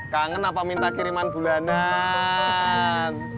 kangen apa minta kiriman bulanan